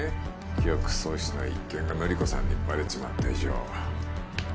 記憶喪失の一件が記子さんにバレちまった以上。